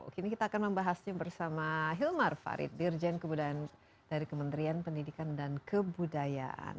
kini kita akan membahasnya bersama hilmar farid dirjen dari kementerian pendidikan dan kebudayaan